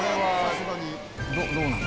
「どうなの？」